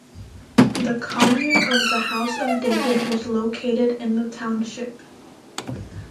The commune of the House of David was located in the township.